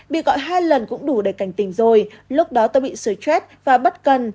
bị gọi hai lần cũng đủ để cảnh tình rồi lúc đó tôi bị stress và bất cần